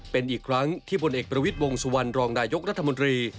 เป็นอีกครั้งที่พลเอกประวิทย์วงสุวรรณรองนายกรัฐมนตรี